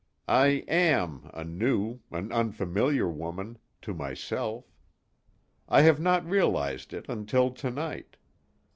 I am a new, an unfamiliar woman, to myself. I have not realized it until to night.